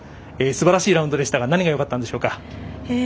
すばらしいラウンドでしたが何がよかったんでしょうか。